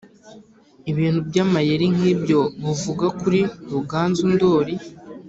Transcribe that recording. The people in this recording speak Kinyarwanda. ibintu by'amayeri nk'ibyo buvuga kuri ruganzu ndori.